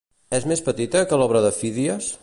És més petita que l'obra de Fídies?